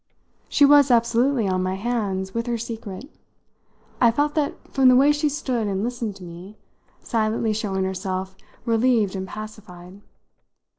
She was absolutely on my hands with her secret I felt that from the way she stood and listened to me, silently showing herself relieved and pacified.